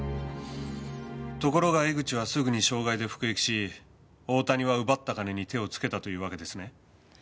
ところが江口はすぐに傷害で服役し大谷は奪った金に手をつけたというわけですね？